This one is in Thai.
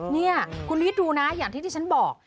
นี่คุณคิดดูนะอย่างที่ที่ฉันบอก